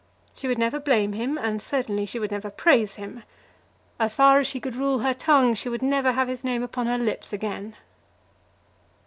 She would never blame him, and certainly she would never praise him. As far as she could rule her tongue, she would never have his name upon her lips again.